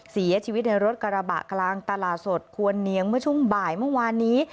เสียชีวิตในรถกระบะกลางตลาดสดควรเนียงเมื่อช่วงบ่ายเมื่อวานนี้